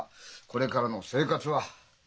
これからの生活は？